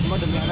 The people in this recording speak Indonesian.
cuma demi anak